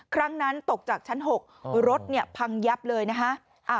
ครั้งนั้นตกจากชั้น๖รถเนี่ยพังยับเลยนะคะ